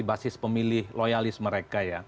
basis pemilih loyalis mereka